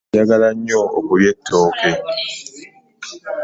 Njagala nyo okulya etooke.